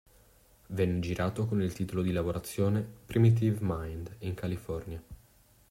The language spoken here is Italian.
Venne girato con il titolo di lavorazione "Primitive Mind" in California.